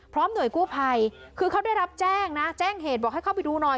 หน่วยกู้ภัยคือเขาได้รับแจ้งนะแจ้งเหตุบอกให้เข้าไปดูหน่อย